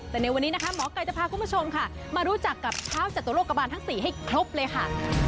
แต่ในวันนี้นะคะหมอไก่จะพาคุณผู้ชมค่ะมารู้จักกับเท้าจตุโลกบาลทั้ง๔ให้ครบเลยค่ะ